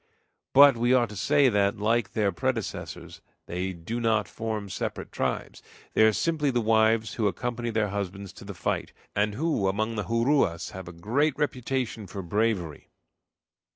But we ought to say that, like their predecessors, they do nor form separate tribes; they are simply the wives who accompany their husbands to the fight, and who, among the Juruas, have a great reputation for bravery."